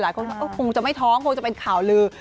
คงจะไม่ท้องคงจะเป็นข่าวลือ